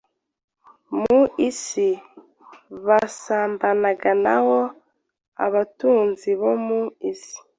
mu isi basambanaga na wo abatunzi bo mu isi